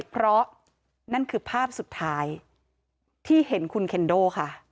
เพราะนั่นคือภาพสุดท้ายที่เห็นคุณเคนโดค่ะ